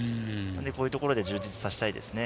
こういうところを充実させたいですね。